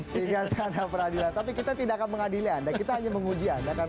sehingga sana peradilan tapi kita tidak akan mengadili anda kita hanya menguji anda kan